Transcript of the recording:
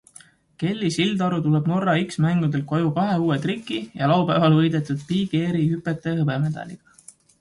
Kelly Sildaru tuleb Norra X-mängudelt koju kahe uue triki ja laupäeval võidetud Big Airi hüpete hõbemedaliga.